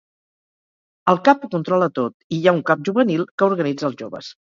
El cap ho controla tot i hi ha un cap juvenil que organitza els joves.